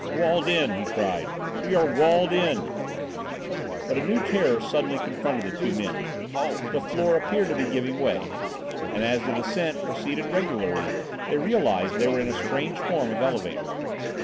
"Walled in!" he cried. "We are walled in!" But a new terror suddenly confronted the two men. The floor appeared to be giving way, and as the descent proceeded regularly, they realised that they were in a strange form of elevator.